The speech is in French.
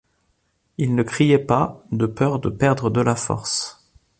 Il ne criait pas de peur de perdre de la force.